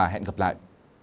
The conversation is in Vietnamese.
hẹn gặp lại